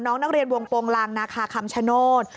น้องนักเรียนวงโปรงลางนาคาคำชโนธ